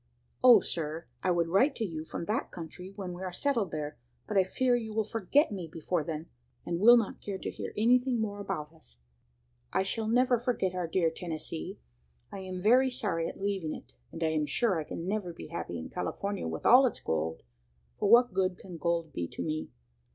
O sir! I would write to you from that country when we are settled there; but I fear you will forget me before then, and will not care to hear anything more about us. "I shall never forget our dear Tennessee. I am very sorry at leaving it, and I am sure I can never be happy in California with all its gold for what good can gold be to me?